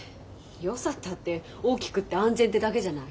よさったって大きくって安全ってだけじゃない。